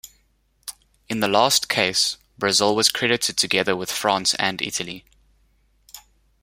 In the last case, Brazil was credited together with France and Italy.